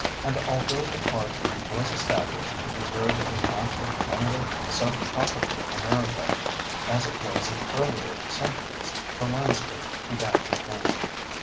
And although the park was established to preserve a patch of primitive subtropical America as it was in earlier centuries, the landscape began to change.